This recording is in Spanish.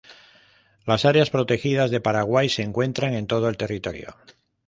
Las áreas protegidas del Paraguay se encuentran en todo el territorio.